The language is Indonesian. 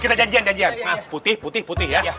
kita janjian janjian nah putih putih putih ya